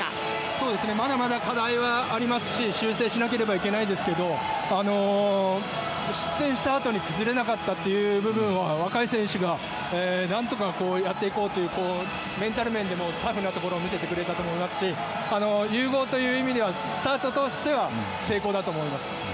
まだまだ課題はありますし修正しなければいけないですけど失点したあとに崩れなかったという部分は若い選手が何とかやっていこうというメンタル面でもタフなところを見せてくれたと思いますし融合という意味ではスタートとしては成功だと思います。